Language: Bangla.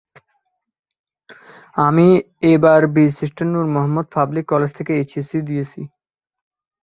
আমি এবার বীরশ্রেষ্ঠ নূর মোহাম্মদ পাবলিক কলেজ থেকে এসএসসি দিয়েছি।